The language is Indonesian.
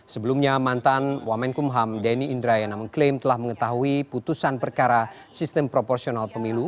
sebelumnya mantan wamenkumham denny indrayana mengklaim telah mengetahui putusan perkara sistem proporsional pemilu